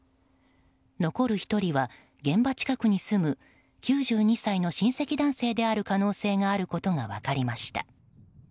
残る１人は現場近くに住む９２歳の親戚男性である可能性があることが分かりました。